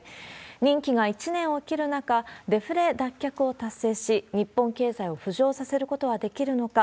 任期が１年を切る中、デフレ脱却を達成し、日本経済を浮上させることはできるのか。